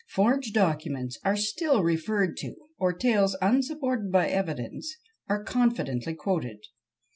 Forged documents are still referred to, or tales unsupported by evidence are confidently quoted.